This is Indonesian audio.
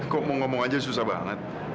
kok mau ngomong aja susah banget